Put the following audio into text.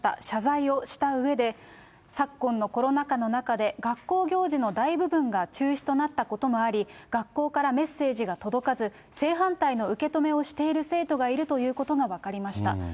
謝罪をしたうえで、昨今のコロナ禍の中で、学校行事の大部分が中止となったこともあり、学校からメッセージが届かず、正反対の受け止めをしている生徒がいるということが分かりました。